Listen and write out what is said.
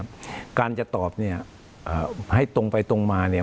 แล้วเนี่ยการจะตอบเนี่ยเอ่อให้ตรงไปตรงมาเนี่ย